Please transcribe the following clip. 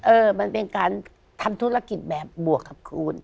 มันเป็นการทำธุรกิจแบบบวกกับคูณ